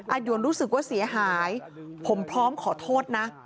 หยวนรู้สึกว่าเสียหายผมพร้อมขอโทษนะ